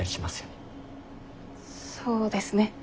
そうですね。